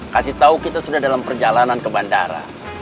kasih tahu kita sudah dalam perjalanan ke bandara